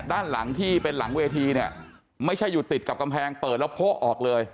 ด้านหลังที่เป็นหลังเวทีเนี่ยไม่ใช่อยู่ติดกับกำแพงเปิดแล้วโพะออกเลย